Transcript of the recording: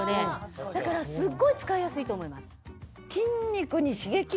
だからすごい使いやすいと思います。